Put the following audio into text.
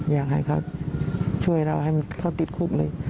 อยากให้เขาช่วยเราให้เขาติดคุกเลย